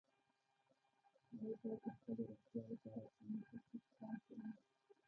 هغوی باید د خپلې روغتیا لپاره کوم ټکي په پام کې ونیسي؟